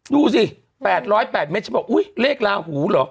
ดูสิ๘๐๘เมตรฉันบอกอุ๊ยเลขลาหูเหรอ